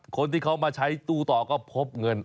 คนที่เขามาใช้ตู้ต่อก็พบเงิน